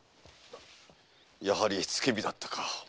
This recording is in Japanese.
やはり付け火だったか。